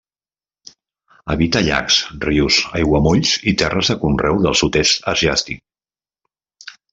Habita llacs, rius, aiguamolls i terres de conreu del Sud-est asiàtic.